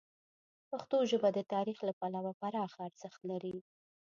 پښتو ژبه د تاریخ له پلوه پراخه ارزښت لري.